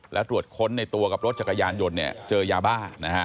และตรวจค้นในตัวกับรถจักรยานยนต์เจอยาบ้า